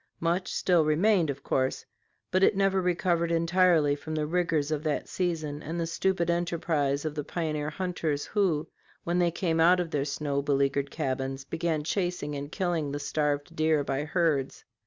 Much still remained, of course, but it never recovered entirely from the rigors of that season and the stupid enterprise of the pioneer hunters, who, when they came out of their snow beleaguered cabins, began chasing and killing the starved deer by herds.